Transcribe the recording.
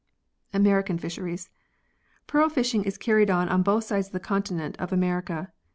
American fisheries. Pearl fishing is carried on on both sides of the continent of America.